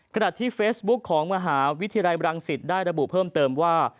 ขณะที่เฟซบุ๊คของมหาวิทยาลัยบรังสิตได้ระบุเพิ่มเติมว่า